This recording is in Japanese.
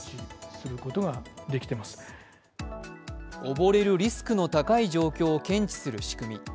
溺れるリスクの高い状況を検知する仕組み。